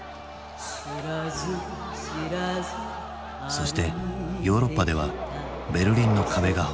そしてヨーロッパではベルリンの壁が崩壊。